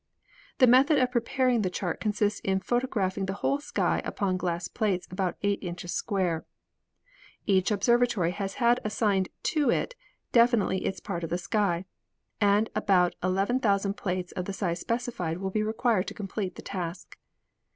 The method of preparing the chart consists in photographing the whole sky upon glass plates about 8 inches square. Each observatory has had assigned to it definitely its part of the sky, and about 11,000 plates of the size specified will be required to complete the task.